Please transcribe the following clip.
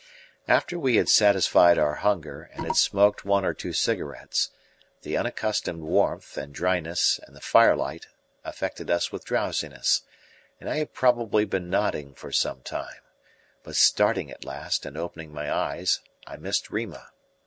After we had satisfied our hunger, and had smoked one or two cigarettes, the unaccustomed warmth, and dryness, and the firelight affected us with drowsiness, and I had probably been nodding for some time; but starting at last and opening my eyes, I missed Rima.